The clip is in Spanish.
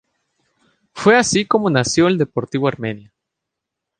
Fue así como nació el Deportivo Armenia.